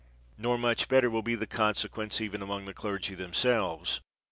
Nor much better will be the consequence even among the clergy themselves.